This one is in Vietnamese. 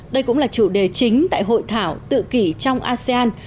đây cũng là chủ đề chính tại hội thảo tự kỷ trong asean